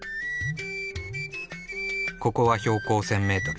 ここは標高１，０００メートル。